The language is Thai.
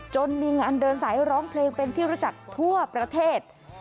จนมีงานเดินสายร้องเพลงเป็นที่รู้จักทั่วประเทศ